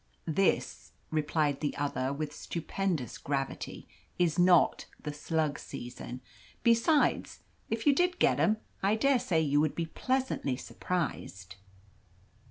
"This," replied the other, with stupendous gravity, "is not the slug season. Besides, if you did get 'em, I dare say you would be pleasantly surprised."